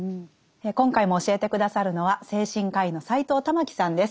今回も教えて下さるのは精神科医の斎藤環さんです。